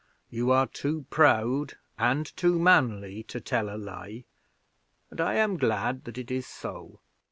You are too proud and too manly to tell a lie, and I am glad that it is so.